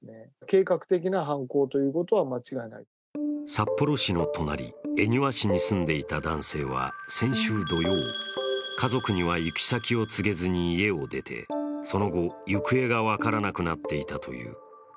札幌市の隣、恵庭市に住んでいた男性は、先週土曜家族には行き先を告げずに家を出てその後、行方が分からなくなっていたという。